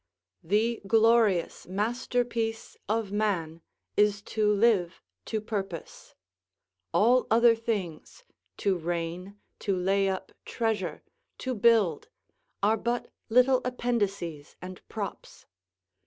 The glorious masterpiece of man is to live to purpose; all other things: to reign, to lay up treasure, to build, are but little appendices and props.